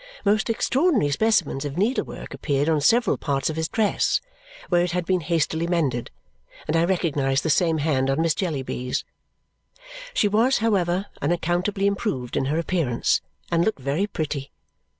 Most extraordinary specimens of needlework appeared on several parts of his dress, where it had been hastily mended, and I recognized the same hand on Miss Jellyby's. She was, however, unaccountably improved in her appearance and looked very pretty.